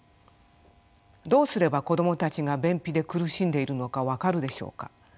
どうすれば子どもたちが便秘で苦しんでいるのか分かるでしょうか。